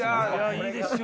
いいですよ！